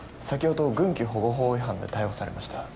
先ほど軍機保護法違反で逮捕されました。